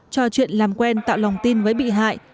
cho chuyện làm quen tạo lòng tin với bị hại